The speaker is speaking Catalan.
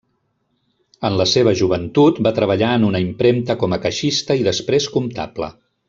En la seva joventut va treballar en una impremta com a caixista i després comptable.